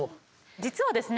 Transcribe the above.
実はですね